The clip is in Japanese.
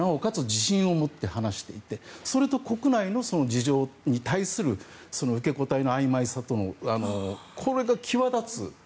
自信を持って話していてそれと国内の事情に対する受け答えのあいまいさとのこれが際立つ